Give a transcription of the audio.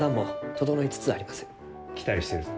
期待してるぞ。